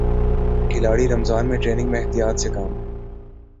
کھلاڑی رمضان میں ٹریننگ میں احتیاط سے کام لیں